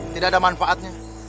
tidak ada manfaatnya